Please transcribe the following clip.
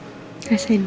terima kasiharto pak